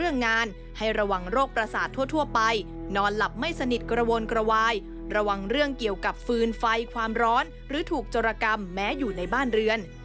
นอนหลับไม่สนิทกระวนกระวายระวังเรื่องเกี่ยวกับฟืนไฟความร้อนหรือถูกจรกรรมแม้อยู่ในบ้านเรือน